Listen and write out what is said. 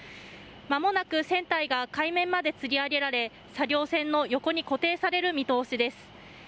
まもなく船体が海面までつり上げられ、作業船の横に固定される見通しです。